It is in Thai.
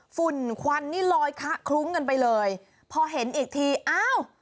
ฝุ่นควันนี่ลอยคะคลุ้งกันไปเลยพอเห็นอีกทีอ้าว